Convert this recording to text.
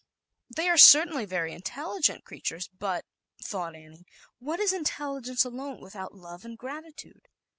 They are certainly very intelligent creatures, but, thought Annie, what is intelligence alone, without love and gratitude?